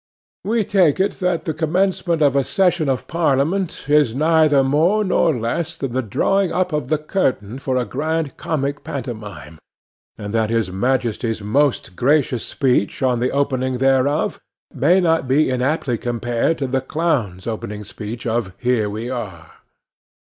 We take it that the commencement of a Session of Parliament is neither more nor less than the drawing up of the curtain for a grand comic pantomime, and that his Majesty's most gracious speech on the opening thereof may be not inaptly compared to the clown's opening speech of 'Here we are!